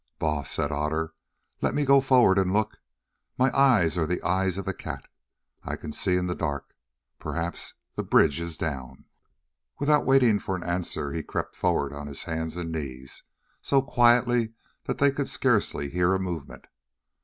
"Baas," said Otter, "let me go forward and look. My eyes are the eyes of a cat; I can see in the dark. Perhaps the bridge is down." Without waiting for an answer, he crept forward on his hands and knees so quietly that they could scarcely hear a movement.